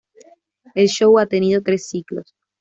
El show ha tenido tres ciclos.